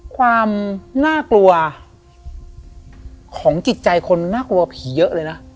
ความน่ากลัวของจิตใจคนน่ากลัวผีเยอะเลยนะ